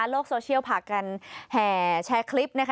โซเชียลผ่ากันแห่แชร์คลิปนะคะ